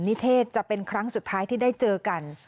นิเทศจะเป็นครั้งสุดท้ายที่ได้เจอกัน